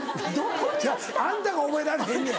違うあんたが覚えられへんねや。